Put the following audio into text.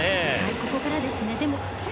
ここからですね。